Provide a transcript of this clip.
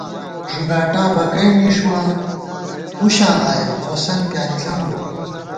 ݫُگاٹا بَکَئی نِݭُواں ہُشاں آیَہ، ہوسند پیانِݪہ بُوَہ